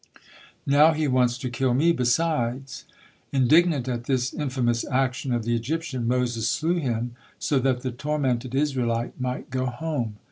Now he wants to kill me besides." Indignant at this infamous action of the Egyptian, Moses slew him, so that the tormented Israelite might go home.